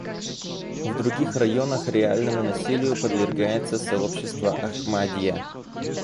В других районах реальному насилию подвергается сообщество «Ахмадья».